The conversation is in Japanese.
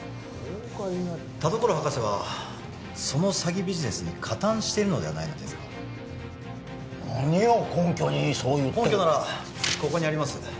法外な田所博士はその詐欺ビジネスに加担しているのではないのですか何を根拠にそう言ってる根拠ならここにあります